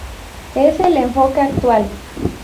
Es el enfoque actual.